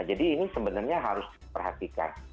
jadi ini sebenarnya harus diperhatikan